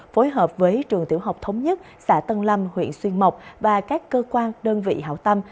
phối hợp với trường tiểu học thống nhất xã tân lâm huyện xuyên mộc và các cơ quan đơn vị hảo tâm